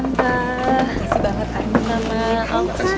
makasih banget anu sama om tante